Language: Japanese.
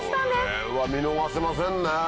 これは見逃せませんね。